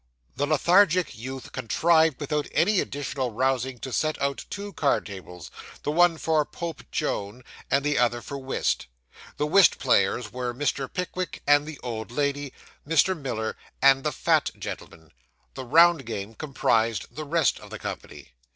The lethargic youth contrived without any additional rousing to set out two card tables; the one for Pope Joan, and the other for whist. The whist players were Mr. Pickwick and the old lady, Mr. Miller and the fat gentleman. The round game comprised the rest of the company.